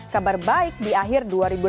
kabar baik di akhir dua ribu delapan belas